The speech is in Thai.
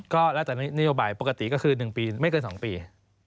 ก็แล้วแต่นโยบายปกติก็คือ๑ปีไม่เกิน๒ปี